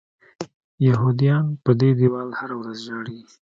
یهودیان پر دې دیوال هره ورځ ژاړي.